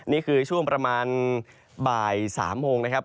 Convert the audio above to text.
นี่คือช่วงประมาณบ่าย๓โมงนะครับ